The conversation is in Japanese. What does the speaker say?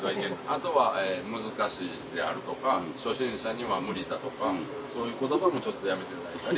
あとは「難しい」であるとか「初心者には無理」だとかそういう言葉もちょっとやめていただいたり。